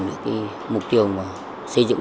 được cái mục tiêu mà xây dựng